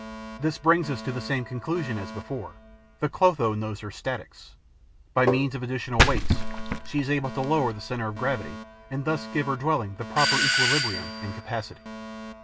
This brings us to the same conclusion as before: the Clotho knows her statics; by means of additional weights, she is able to lower the centre of gravity and thus to give her dwelling the proper equilibrium and capacity.